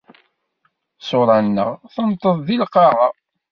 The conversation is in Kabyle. Ṣṣura-nneɣ tenṭeḍ di lqaɛa.